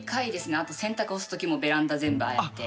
あと洗濯干す時もベランダ全部ああやって。